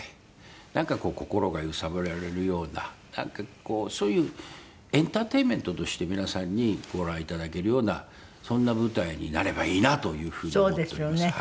なんか心が揺さぶられるようななんかこうそういうエンターテインメントとして皆さんにご覧いただけるようなそんな舞台になればいいなという風に思っております。